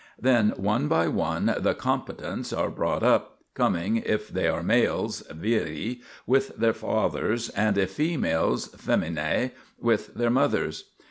Then one by one the competents are brought up, coming, if they are males (vin) with their fathers, and if females (femtnae) y with their mothers.